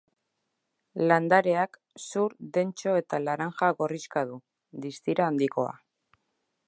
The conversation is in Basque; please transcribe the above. Landareak zur dentso eta laranja-gorrixka du, distira handikoa.